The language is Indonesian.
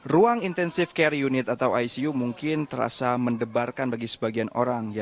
ruang intensive care unit atau icu mungkin terasa mendebarkan bagi sebagian orang